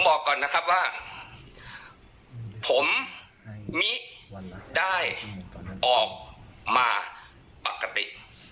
บอกก่อนนะครับว่าผมมิได้ออกมาปกติ